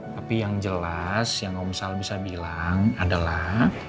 tapi yang jelas yang om sal bisa bilang adalah